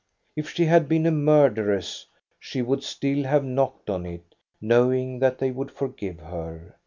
If she had been a murderess, she would still have knocked on it, knowing that they would forgive her.